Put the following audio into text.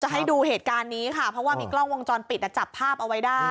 ให้ดูเหตุการณ์นี้ค่ะเพราะว่ามีกล้องวงจรปิดจับภาพเอาไว้ได้